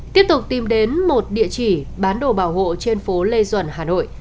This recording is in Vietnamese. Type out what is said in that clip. tiếp tục tìm đến một địa chỉ bán đồ bảo hộ trên phố lê duẩn hà nội